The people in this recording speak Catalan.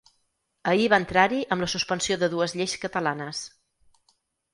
Ahir va entrar-hi amb la suspensió de dues lleis catalanes.